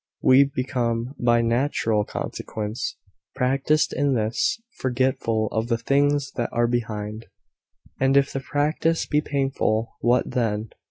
We become, by natural consequence, practised in this (forgetful of the things that are behind); and if the practice be painful, what then?